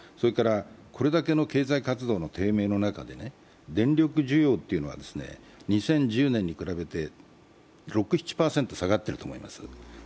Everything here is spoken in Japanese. これだけの経済活動の低迷の中で電力需要というのは２０１０年に比べて６７％下がっていると思います。